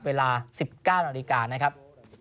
เวลา๑๙นนะครับ